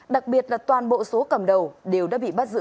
đặc biệt là toàn bộ số cầm đầu đều đã bị bắt giữ